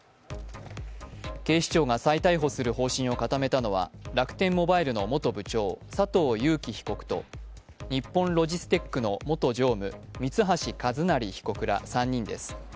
警視庁が再逮捕する方針を固めたのは、楽天モバイルの元部長佐藤友紀被告と日本ロジステックの元常務三橋一成被告ら３人です。